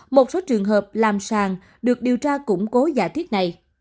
một số trường hợp làm sàng được điều tra củng cố giả thuyết này